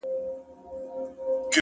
لويه گناه؛